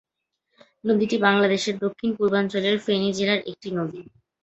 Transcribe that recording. নদীটি বাংলাদেশের দক্ষিণ-পূর্বাঞ্চলের ফেনী জেলার একটি নদী।